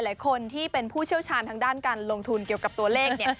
หลายคนที่เป็นผู้เชี่ยวชาญทางด้านการลงทุนเกี่ยวกับตัวเลขเนี่ย